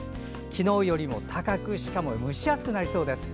昨日よりも高くしかも蒸し暑くなりそうです。